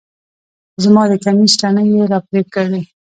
زما د کميس تڼۍ يې راپرې کړې